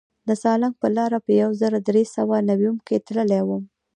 د سالنګ پر لاره په یو زر در سوه نویم کې تللی وم.